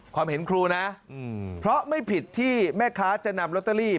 ความเห็นครูนะเพราะไม่ผิดที่แม่ค้าจะนำลอตเตอรี่